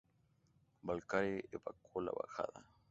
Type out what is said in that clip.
Balcarce evacuó La Bajada.